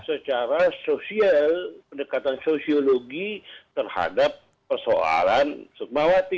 antara sosial pendekatan sosiologi terhadap persoalan sukumawati